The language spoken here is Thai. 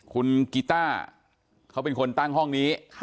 คุณกีต้าเขาเป็นคนตั้งห้องนี้